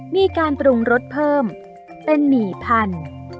มีการปรุงรสเพิ่มเป็นหมี่พันธุ์